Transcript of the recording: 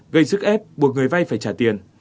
gây sức ép buộc người vay phải trả tiền